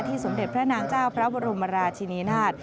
สมเด็จพระนางเจ้าพระบรมราชินีนาฏ